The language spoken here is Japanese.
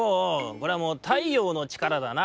これはもう太陽のちからだな」。